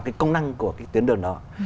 cái công năng của cái tiến đường đó